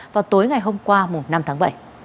vào tối ngày hôm qua năm tháng bảy